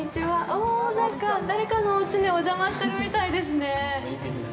お、なんか誰かのおうちにお邪魔してるみたいですね。